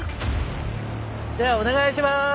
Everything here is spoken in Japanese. ではお願いします！